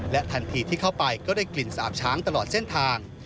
ทันทีที่เข้าไปก็ได้กลิ่นสาบช้างตลอดเส้นทาง